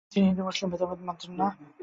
তিনি হিন্দু-মুসলমান ভেদাভেদও মানতেন না।